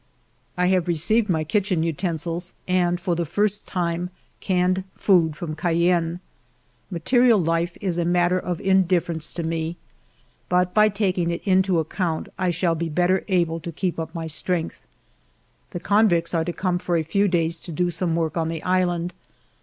I have received my kitchen utensils and, for the first time, canned food from Cayenne. Material life is a matter of indifference to me, but by taking it into account I shall be better able to keep up my strength. The convicts are to come for a few days to do some work on the island.